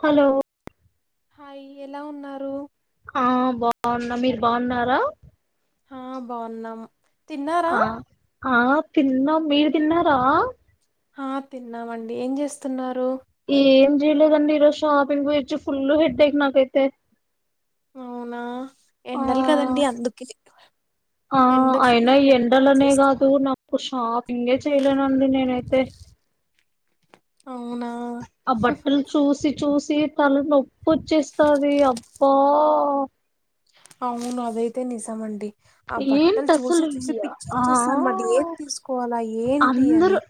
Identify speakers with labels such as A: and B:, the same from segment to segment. A: Hello
B: hi ఎలా ఉన్నారు
A: ఆ బాగున్న మీరు బాగున్నారా
B: ఆ బాగున్నాం తిన్నారా?
A: ఆ ఆ తిన్నాం మీరు తిన్నారా
B: ఆ తిన్నామండి ఏం చేస్తున్నారు
A: ఏం జయలేదండి ఈరోజు షాపింగ్ కి వెళ్లి వచ్చి ఫుల్ హెడేక్ అండి నాకైతే
B: అవునా
A: ఆ
B: ఎండాలి కదండీ అందుకు
A: ఆ అయినా ఎండలనే కాదు నాకు షాపింగే చేయలేనండి నేనైతే తే
B: అవునా
A: ఆ బట్టలు చూసి చూసి తల నొప్పొచ్చేస్తది అబ్బా
B: అవును అదయితే నిజమండి ఆ
A: ఏంటి
B: బట్టలు చూసి
A: అసలు
B: చూసి
A: ఇ-
B: పిచ్చ
A: ఆ
B: చేస్తానండి ఏది తీసుకోవాలా ఏంటి అని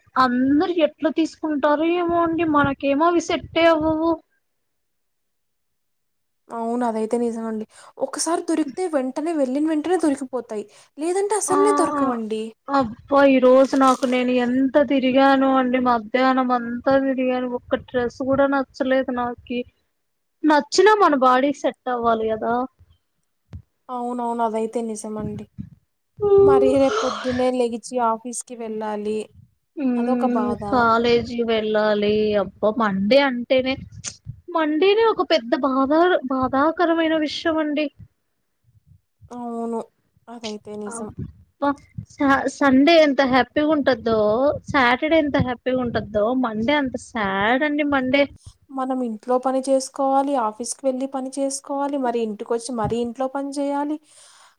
A: ఎట్లు తీసుకుంటారు ఏమో అండి మనకేమోవి సెట్టే అవ్వవు
B: అవును అదైతే నిజంఅండి ఒకసారి దొరికితే వెంటనే వెళ్ళిన వెంటనే దొరికిపోతాయి లేదంటే
A: ఆ
B: అసలే దొరకవండి.
A: అబ్బా ఈ రోజు నాకు నేను ఎంత అంత తిరిగాను అండి మధ్యాహ్నం అంతా తిరిగాను ఒక్క డ్రెస్ కూడా నచ్చలేదు నాకి నచ్చినా మన బాడీ సెట్ అవ్వాలి కదా
B: అవునవును అదైతే నిజమండి మరీ రేపు పొద్దున్న లేెగిచి ఆ ఆఫీస్కి వెళ్ళాలి అదొక
A: హ్మ్
B: బాధ
A: కాలేజీకి వెళ్ళాలి అబ్బ మండే అంట అంటేనే మండీనే ఒక పెద్ద బాధ బాధాకరమైన విషయం అండి
B: అవును అదైతే నిజం
A: అబ్బా శాస్ సండే ఎంత హ్యాపీగా ఉంటుందో సాటర్డే ఎంత హ్యాపీగా ఉంటందో మండే అంత సాడ్ మన్
B: మనమి ఇంట్లో పని చేసుకోవాలి ఆఫీస్కి వెళ్లి పని చేసుకోవాలి మరి ఇంటికి వచ్చి మర ఇంట్లో పని చేయాలి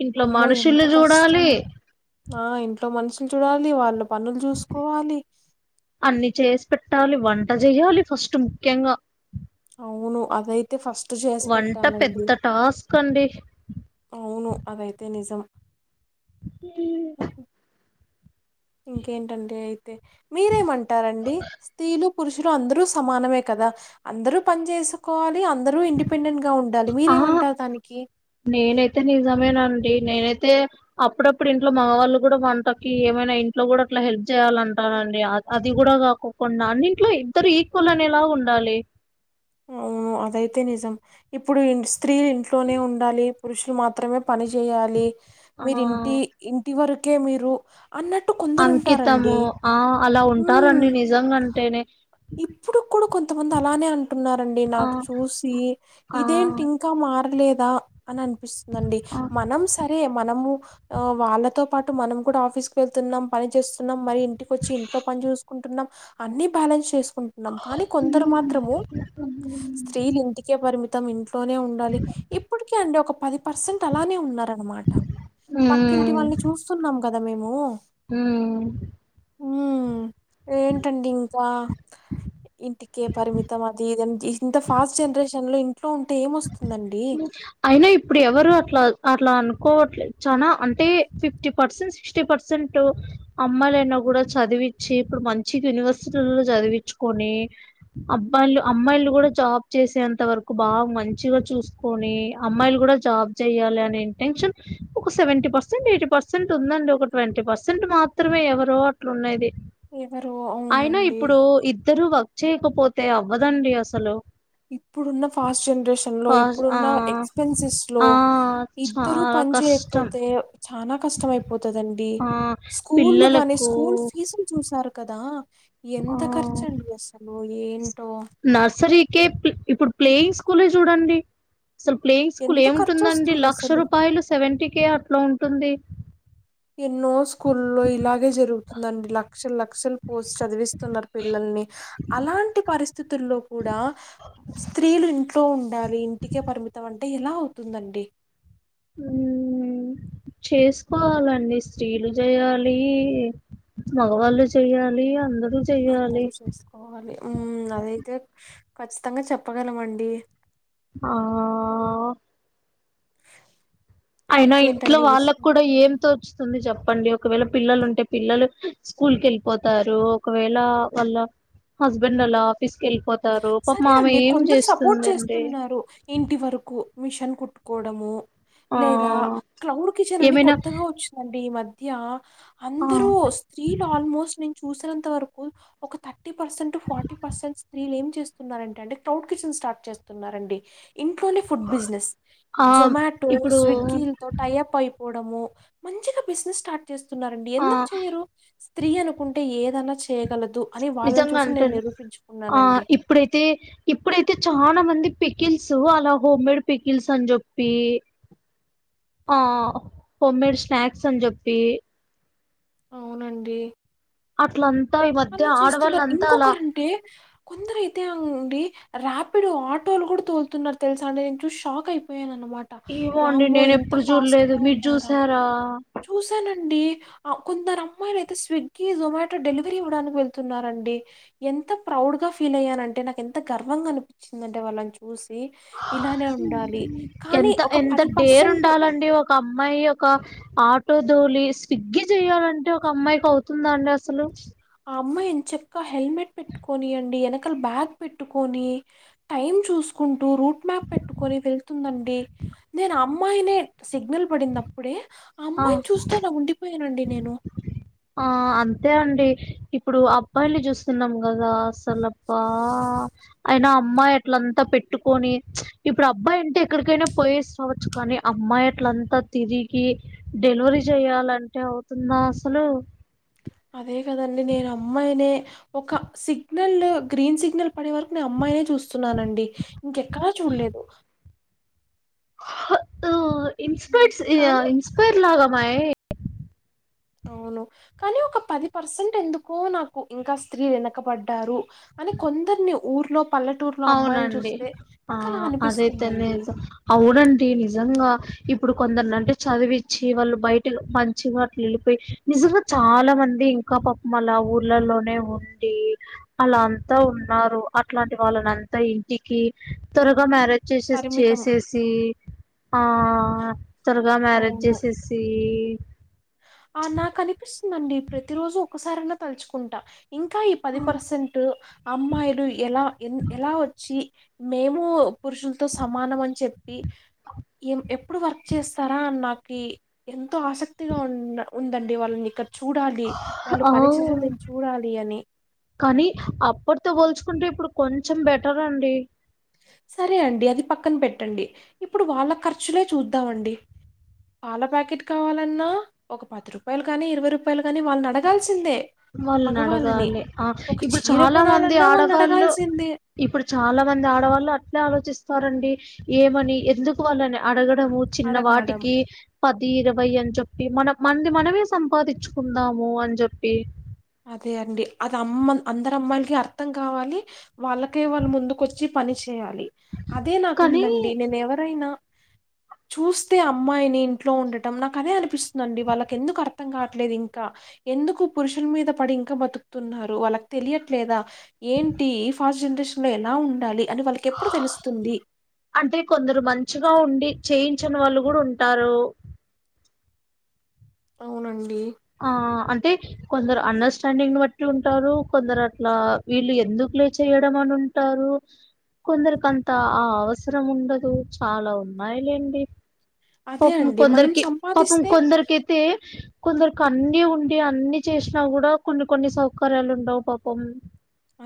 A: ఇంట్లో
B: అమ్మో ఎంత
A: మనుషుల్లు
B: కష్టం
A: చూడాలి
B: ఆ ఇంట్లో మనుషులు చూడాలి వాళ్ళ పనులు చూసుకోవాలి
A: అన్ని చేసి పెట్టాలి వంట చెయ్యాలి ఫస్ట్ ముఖ్యంగా
B: అవును అదైతే ఫస్ట్ చేసి
A: వంట
B: పెట్టాలండి
A: పెద్ద టాస్క్ అండి
B: అవును అదైతే నిజం
A: హ్మ్
B: ఉహు. ఇంకేంటండి అయితే మీరేమంటారండి స్త్రీలు పురుషులు అందరూ సమానమే కదా అందరూ పని చేసుకోవాలి అందరూ ఇండిపెండెంట్ గా ఉండ
A: ఆ నేనైతే నిజమేన నేనైతే అప్పుడప్పుడు ఇంట్లో మగవాళ్ళ కూడా వంటకి ఏమైనా ఇంట్లో కూడా అట్లా హెల్ప్ చేయాలంటా నండిడి అది కూడా కాకుండా అన్నింట్లో ఇద్దరు ఈక్వల్ అనేలాగా ఉండాలి
B: అవును అదైతే నిజం ఇప్పుడు స్త్రీలు ఇంట్లోనే ఉండాలి పురుషులు మాత్రమే పని చేయాలి
A: ఆ
B: మీరి ఇంటి ఇంటి వరకే మీరు అన్నట్టు
A: అంకితము
B: కొందరుంటారండి
A: ఆ అలా ఉంటారంండి నిజంంటేనే
B: ఇప్పుడు కూడా కొంతమంది అలానే అంటున్నారండి
A: ఆ
B: నాకు చూసి
A: ఆ
B: ఇదేంటి ఇంకా మా మారలేదా అని అనిపిస్తుందండి
A: ఆ
B: మనం సరే మనము వాళ్ళతో పాటు మనం కూడా ఆఫీస్కు వెళ్తున్నాం పని చేస్తున్నాం మరి ఇంటికి వచ్చి ఇంట్లో పని చూసుకుంటున్నాం అన్ని బ్యాలెన్స్ ంటున్నాం కానీ కొందరు మాత్రము స్త్రీలు ఇంటికే పరిమిత మం ఇంట్లోనే ఉండాలి ఇప్పటిక అండి ఒక పది పర్సెంట్ అలానే ఉన్నారనమాట పక్కింటి వాళ్ళని చూస్తున్నాం కదా మేము
A: హహ
B: మవు ఇంటికే పరిమితం అది ఇద ఇంత ఫాస్ట్ జనరేషన్ లో ఇ
A: అయినా ఇప్పుడు ఎవరు అట్లా అ అట్లా అనుకోవట్లేదు చాలా అంటే ఫిఫ్టీ పర్సెంట్ సిక్స్టీ పర్సెంట్ అమ్మాయిలయినా కూడా చదివించి ఇప్పుడు మంచి యూనివర్సిటీలో చదివించుకొని అబ్బాలు అమ్మాయిలు కూడా జాబ్ చేసేంత వరకు బాగా మంచి మ చూసుకొని అమ్మాయిలు కూడా జాబ్ చెయాలి అనే ఇంటెన్షన్ ఒక సెవెంటీ పర్సెంట్ ఎయి పర్సెంట్ ఉందండి ఒక ట్వంటీ పర్సెంట్ మాత్రమే ఎవరో అట్లు ఉన్నది
B: ఎవరు
A: అయినా
B: అవునండి
A: ఇప్పుడు ఇద్దరు వర్క్ చేయకపోతే అవ్వదండి అసలు
B: ఇప్పుడున్న ఫాస్ట్ ేన్
A: ఫ
B: ఇప్పుడు
A: ఆ ఆ
B: ఎ ఇ
A: చాలా
B: చేయపో
A: కష్టం
B: ఎ కష్టంమయిపోతుందండి
A: ఆ
B: స్కూల్ గాని
A: పిల్లలకు
B: స్కూల్ ఫీజులు చూసారు కదా
A: ఆ
B: ఎంత ఖర్చుండి అసలు ఏం
A: నర్సరీకే ఇప్పుడు ప్లేయింగ్ స్కూలే చూడండి అసలు ప్లేయింగ్ స్కూల్
B: ఎంత ఖర్చు
A: ఏముంటుందండి
B: వస్తుంది
A: లక్ష
B: అసలు
A: రూపాయలు సెవెంటీ కే అట్లా ఉంటుంది
B: ఎన్నో స్కూళల్లో ఇలాగే జరుగుతుందండి లక్షల లక్షలు పోస్ట్ చదివిస్తున్నారు పిల్లల్ని అలాంటి పరిస్థితుల్లో కూడా స్త్రీలు ఇంట్లో ఉండాలి ఇంటికే పరిమితం అంటే ఎలా అవుతుందండి
A: హ చేసుకోవాలండి స్త్రీలు చేయాలి మగవాళ్ళు చెయ్యాలి అందరు
B: అందరూ చేసుకోవాలి అదైతే ఖచ్చితంగా చెప్పగలమండి
A: ఆహ అయినా ఇంట్లో
B: ఇంకేంటండి
A: వాళ్ళకు కూడా ఏం
B: విశేషాలు
A: తోచుతుంది చెప్ప చెప్పండి ఒకవేళ పిల్లలు ఉంటే పిల్లలు స్కూల్ క వెళ్ళిపోతారు ఒకవేళ వాళ్ళ హస్బెండ్ అలా ఆఫీస్ కి వెళ్ళిపోతారు పాపం
B: సరే
A: ఆమె
B: అండి
A: ఏం
B: కొందరు సపోర్ట్
A: చేస్తుందండి
B: చేస్తున్నారు ఇంటి వరకు మిషన్ కుట్టుకోవడము
A: ఆ
B: లేదా క్లౌడ్ కిచెన్ అని
A: ఏమైనా
B: కొత్తగా వచ్చిందండి ఈ మధ్య మధ్య
A: ఆ
B: అందరూ స్త్రీలు ఆల్మోస్ట్ చూసినంత వరకు ఒక థర్టీ పర్సెంట్ ఫార్టీ పర్సెంట్ స్త్రీలు ఏం చేస్తున్నారంటే అంటే క్రౌడ్ కిచెన్ స్టార్ట్ చేస్తున్నారండి ఇంట్లోనే ఫుడ్ బిజినెస్
A: ఆ
B: జొమాటో
A: ఇప్పుడు
B: స్విగ్గీలతో టై అప్ై పోవడము మంచిగా బిజినెస్ స్టార్ట్ చేస్తున్నడి
A: ఆ
B: ఎందుకు చెయ్యరు స్త్రీ అనుకుంటే ఏ ఏదన్నా చేయగలదు అని వాళ్ళని
A: నిజంగా
B: చూసి నేను
A: అంటాను
B: నిరూపించు
A: ఆ ఇప్పుడైతే ఇప్పుడైతే చ చా మంది పికిల్స్ అలా హోమ్ మేడ్ పికిల్స్ అని చెప్పి ఆ హోమ్మేడ్ స్నాక్స్ అని చెప్పి
B: అవునండి
A: అట్లాం
B: అలా చేస్తున్నారు ఇంకొకరంటే కొందరు ఐతే రాపిడో ఆటోలు కూడా తోల్తున్నారు తెలుసా అండి నేను చూసి షాక్ అయిపోయాను అమాట
A: ఏమో అండి
B: వామ్మో
A: నేను
B: ఇంత
A: ఎప్పుడు చూడలేదు
B: ఫాస్ట్గా
A: మీరు
B: ఉన్నారా
A: చూసారా
B: చూసానండి కొందరు అమ్మాయిలు అయితే స్విగ్గీ జొమాటో డెలి ఇవ్వడానికి వెళ్తున్నారండి ఎంత ప్రౌడ్ గా ఫీల్ అయ్యానంటే నాకు ఎంత గర్వంగా అనిపించిందంటే వాళ్ళని చూసి ఇలానే ఉండాలి కానీ
A: ఎంత
B: ఒక
A: ఎంత
B: పది
A: డేర్
B: పర్సెంట్
A: ఉండాలండి ఒక అమ్మాయి ఒక ఆటో తోలి స్విగ్గి చెయాలంటే ఒక అమ్మాయికి అవుతుందా అండి అసలు
B: ఆ అమ్మాయి ఏం చెక్క హెల్మెట్ పెట్టుకని అండి వెనకాల బ్యాగ్ పెట్టుకొని టైం చూసుకు చకుంటూ రూట్ మ్యాప్ పెట్టుకొని వెళ్తుందండి నేను ఆ అమ్మాయినే సిగ్నల్ పడినప్పుడే ఆ అమ్మాయిని చూస్తా నా ఉండిపోయన్ నండి నేను
A: ఆ అంతే అండి ఇప్పుడు అబ్బాయిల్ని చూస్తున్నాం కదా అసలప్పా అయినా అమ్మాయి అట్లంతా పెట్టుకొని ఇప్పుడు అబ్బాయి అంటే ఎక్కడికైనా పోయేసి రావచ్చు కానీ అమ్మాయి అట్లంతా తిరిగి డెలివరీ చెయాలంటే అవుతుందా అసలు
B: అదే కదండి నేను అమ్మాయి ఒక సిగ్నల్ గ్రీన్ సిగ్నల్ పడే వరకు నేను అమ్మాయినే చూస్ చూస్తున్నానండి ఇంకెక్కడా చూల్లెదు
A: హ ఇన్స్పైర్స్
B: కానీ
A: ఇన్స్పైైర్ లాగా మయి
B: అవును కానీ ఒక పది పర్సెంట్ ఎందుకో నాకు ఇంకా స్త్రీ వెనకబడ్డారు అని కొందరిని ఊర్లో పల్లెటూరులో అమ్మాయిలు
A: అవునండి
B: చూస్తే
A: ఆ
B: నాకు అలా
A: అదైతేనే
B: అనిపిస్తుందండి
A: అవునండి నిజంగా ఇప్పుడు కొందరు అంటే చదివిచ్చి వాళ్ళు బయట మంచి మాట్లు లిపి నిజంగా చాలా మంది ఇంకా పపం అలా ఊర్లలోనే ఉండి అలా అంతా ఉన్నారు అట్లాంటి వాళ్ళనంతా ఇంటికి త్వరగా మ్యారేజ్ చేసే
B: పరిమితం
A: చేసేసి ఆ త్వరగా మ్యారేజ్
B: అవును
A: చేసేసి
B: ఆ నాకు అనిపిస్తుందండి ప్రతి రోజు ఒకసారయినా తలుచుకుంటా ఇంకా ఈ పది పర్సెంట్ అమ్మాయిలు ఎలా ఎ ఎలా వచ్చి మేము పురుషులతో సమానం అని చెప్పి ఏం ఎప్పుడు వర్క్ చేస్తారా అని నాకి ఎంతో ఆసక్ తిగా ఉ ఉందండి వాళ్ళని ఇక్క
A: ఆ
B: చూడాలి అని
A: కానీ అప్పుటితో బో చూకుంటే ఇప్పుడు కొంచెం బెటర్ అండి
B: సరే అండి అది పక్కన పెట్టండి ఇప్పుడు వాళ్ళ ఖర్చులే చూద్దామండి పాల ప్యాకెట్ కావాలన్నా ఒక పది రూపాయలు గాని ఇరవై రూపాయలు గాని వాళ్ళని అడగాల్సిందే
A: వాళ్ళని అడగాలి ఆ ఇప్పుడు
B: చీర
A: చాలా మంది
B: కొనాలన్నా
A: ఆడవాళ్ళు
B: వాళ్ళనడగాల్సిందే.
A: ఇప్పుడు చాలా మంది ఆడవాళ్ళు అట్నే ఆలోచిస్తారండి ఏమని ఎందుకు వాళ్లని అడగ చిన్న
B: అడగడం.
A: వాటికి పది ఇరవై అని చెప్ మన కి మనంది మనమే సంపాదించుకుందాము అని చెప్పి
B: అదే అండి అది అమ్ అందరు అమ్మాయిలకి అర్థం కావాలి వాళ్ళకే వాళ్లు ముందుక వచ్చి పని చే చేయాలి అదే
A: కానీ
B: నాకుందండి నేను ఎవరైనా చూస్తే అమ్మాయిని ఇంట్లో ఉండటం నాకు అదే అనిపిస్తుందండి వాళ్ళకి ఎందుకు అర్థం కాట్లేదు ఇంకా ఎందుకు పురుషుల మీద పడి ఇంకా బతుకుతున్నారు వాళ్ళకి తెలియట్లేదా ఏంటి ఫాస్ట్ జనరేషన్ లో ఎలా ఉండాలి అని వాళ్ళకెప్పుడు తెలుస్తుంది?
A: అంటే కొందరు మంచిగా ఉండి చేయి ఇచ్చన్ వాళ్ళు కూడా ఉంటారు
B: అవునండి
A: ఆ అే కొందరు అండర్స్టాండింగ్ బట్టి ఉంటారు కొందరు అట్లా వీళ్ళు ఎందుకు లే చేయడం అని అంటారు కొందరికి అంత ఆ అవసరం ఉండదు చాలా ఉన్నాయిలేండి
B: అదే
A: పాపం ము
B: అండి. మనం
A: కొందరికి పాపం
B: సంపాదిస్తే
A: కొందర్కతే కొందరికి అన్ని ఉండి అన్ని చేసినా కూడా కొన్ని కొన్ని సౌకర్యాలు ఉండవు పాపం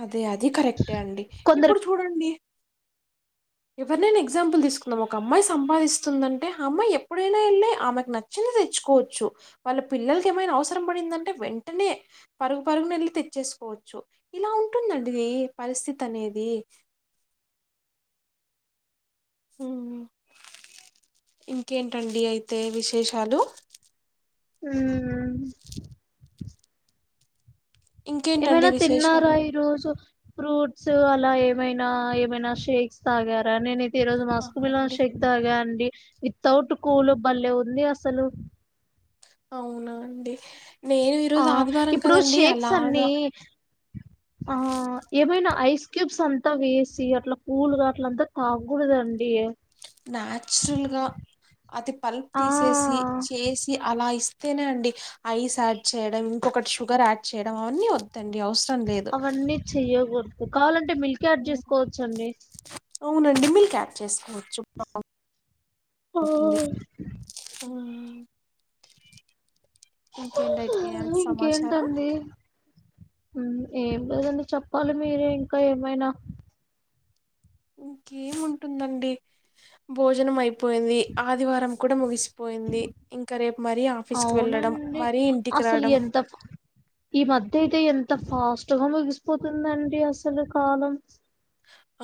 B: అదే అది కరెక్టే అండి ఇప్పుడు
A: కొందరికి
B: చూడండి ఎవరినైనా ఎగ్జాంపుల్ తీసుకుందాం ఒక అమ్మాయి సంపాదిస్తుందంటే ఆ అమ్మాయి ఎప్పుడైనా వెళ్ళి ఆమెకు నచ్చిన తెచ్చుకోవచ్చు వాళ్ళ పిల్లలకి ఏమైనా అవసరం పడిందంటే వెంటనే పరుగు పరుగున వెళ్ళి తెచ్చే చూసుకోవచ్చు ఇలా ఉంటుందండి పరిస్థితి అనేది హ ఇంకేంటండి అయితే విశేషాలు
A: ఉమ్
B: ఇంకేంటండి
A: ఏమైనా తిన్నార
B: విశేషాలు
A: ఇ రోజు ఫ్రూట్స్ అలా ఏమైనా ఏమైనా షేక్స్ తాగారా నేను ఈ రోజు మస్క్
B: ఆహా
A: మిలన్
B: అండి
A: షేక్ తగా అండి తౌటు కులు బల్లేె ఉంది అసలు
B: అవునా అండి నేను
A: ఆ
B: ఈరోజు ఆదివారం
A: ఇప్పుడు
B: కదండి
A: షేక్స్
B: అలాగా
A: అన్ని ఆ ఏమైనా ఐస్ క్యూబ్స్ అంతా వేసి అట్లా కూలుగా అట్ల అంతా తాగకూడదండి
B: నాచురల్గా అది పల్ప్
A: ఆ
B: తీసేసి చేసి అలా ఇస్త అతేనే అండి ఐస్ యాడ్ చేయడం ఇంకొకటి షుగర్ యాడ్ చేయడం అవన్నీ వ
A: అవన్నీ చెయ్యకూడదు కావాలంటే మిల్క్ యాడ్ చేసుకోవచ్చ అండి
B: అండి మిల్క్ యాడ్ చేసుకోవచ్చు అ ఇంకేంటయితే సమాచారం
A: ఇంకేంటండి మ్, ఏం లేదండి చెప్పాలి మీరు ఇంకా ఏమైనా
B: ఇంకేముంటుందండి భోజనం అయిపోయింది ఆదివారం కూడా ముగిసిపో పోయింది ఇంకా రేపు మరీ ఆఫీస్కి వెళ్ళడం
A: అవునండి
B: మరీ ఇంటికి
A: అసలు
B: రావడం
A: ఎంత ఫ- ఈ మధ్య అయితే ఎంత ఫాస్ట్గా ముగిసిపోతుందండి అసలు కాలం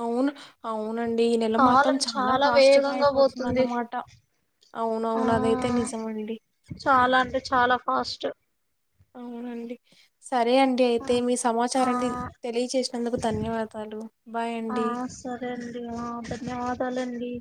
B: అవును అవును అవునండి ఈ నెల మాత్రం
A: కాలం
B: చాలా ఫాస్ట్ గా
A: వేగంగా పోతుంది
B: అయిపోతుందన్నమాట అవున
A: ఆ
B: అవును అదైతే నిజం అండి
A: హాస్టల్
B: అవునండి సరే అండి
A: ఆ
B: అయితే మీ
A: ఆ
B: సమాచారాన్ని తెలియజేసినందుకు ధన్యవాదాలు బాయ్
A: ఆ,
B: అండి
A: సరే అండి ధన్యవాదాల అండి